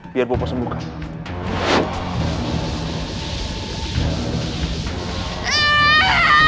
biar popo sembuhkan